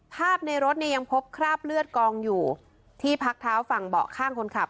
ในรถเนี่ยยังพบคราบเลือดกองอยู่ที่พักเท้าฝั่งเบาะข้างคนขับ